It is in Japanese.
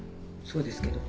そうですけど。